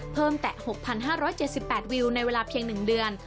แตะ๖๕๗๘วิวในเวลาเพียง๑เดือน